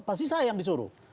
pasti saya yang disuruh